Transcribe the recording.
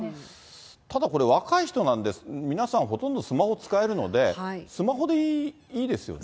ただこれ、若い人なんで、皆さん、ほとんどスマホ使えるので、スマホでいいですよね。